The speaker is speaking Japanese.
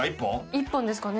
１本ですかね？